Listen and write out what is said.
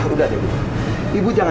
udah deh ibu ibu jangan